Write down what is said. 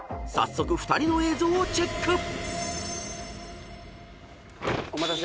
［早速２人の映像をチェック］